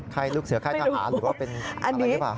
ลูกเสือค่ายทหารหรือว่าเป็นอะไรหรือเปล่า